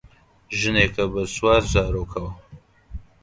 ژنێکە بە چوار زارۆکەوە